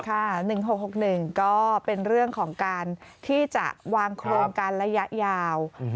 ๑๖๖๑ก็เป็นเรื่องของการที่จะวางโครงการระยะยาว